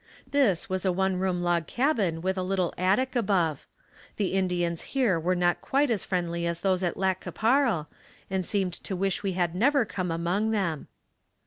This was a one room log cabin with a little attic above. The Indians here were not quite as friendly as those at Lac qui Parle and seemed to wish we had never come among them.